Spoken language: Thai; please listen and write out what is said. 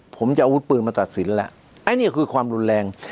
ผมจะเอาอาวุธปืนมาตัดสินแล้วอันนี้คือความรุนแรง